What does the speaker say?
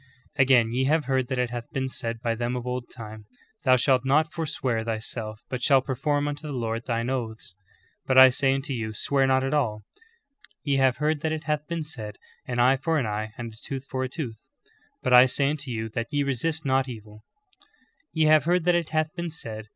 ^ Again, ye have heard that it hath been said by them of old time, Thou shalt not forswear thyself but shall perform unto the Lord thine oaths : But I say unto you, Swear not at all. * =5= =i^ Ye have heard that it hath been said. An eye for an eye and a tooth for a tooth : But I say unto you that ye resist not evil. Ye have heard that it hath been said.